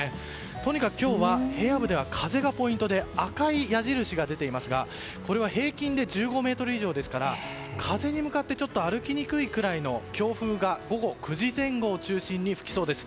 とにかく今日は平野部では風がポイントで赤い矢印が出ていますがこれは平均で１５メートル以上ですから風に向かって歩きにくいくらいの強風が午後９時前後を中心に吹きそうです。